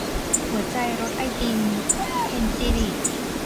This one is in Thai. หัวใจรสไอติม - เพ็ญศิริ